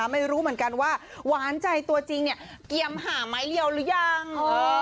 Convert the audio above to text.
ไม่รู้เหมือนกันว่าหวานใจตัวจริง